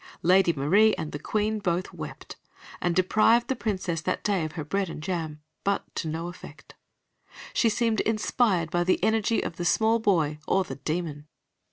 Lady Marie and the Queen both wept, and deprived the Princess that day of her bread and jam, but to no effect. She seemed inspired by the energy of the small boy or the demon.